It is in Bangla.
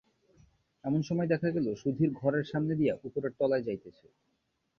এমন সময় দেখা গেল সুধীর ঘরের সামনে দিয়া উপরের তলায় যাইতেছে।